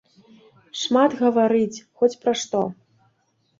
Шмат гаварыць, хоць пра што.